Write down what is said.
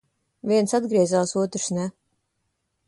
Viens atgriezās, otrs ne.